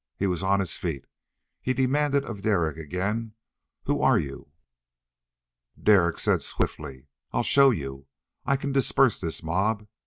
He was on his feet. He demanded of Derek again, "Who are you?" Derek said swiftly, "I'll show you. I can disperse this mob!